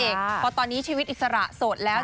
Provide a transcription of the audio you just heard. เพราะตอนนี้ชีวิตอิสระโสดแล้ว